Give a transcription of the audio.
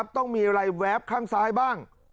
ต้องมีอะไรแวบข้างซ้ายบ้าง